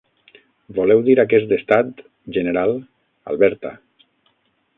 Voleu dir aquest estat, general, Alberta.